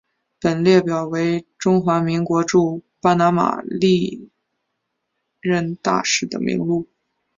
本列表为中华民国驻巴拿马历任大使的名录。